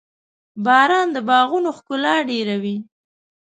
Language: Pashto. • باران د باغونو ښکلا ډېروي.